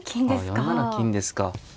あ４七金ですか。